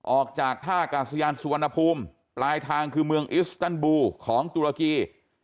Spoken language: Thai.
ออกจากท่ากาศยานสุวรรณภูมิปลายทางคือเมืองอิสตันบูของตุรกี